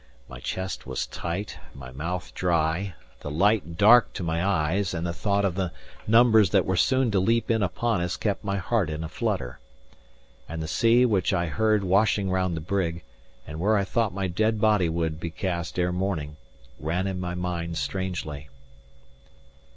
My chest was tight, my mouth dry, the light dark to my eyes; the thought of the numbers that were soon to leap in upon us kept my heart in a flutter: and the sea, which I heard washing round the brig, and where I thought my dead body would be cast ere morning, ran in my mind strangely.